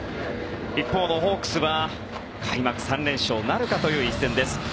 一方のホークスは開幕３連勝なるかという一戦です。